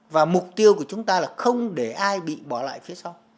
và mục tiêu của chúng ta là không để ai bị bỏ lại phía sau